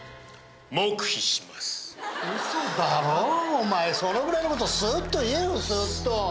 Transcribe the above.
お前そのぐらいのことスーっと言えよスーっと。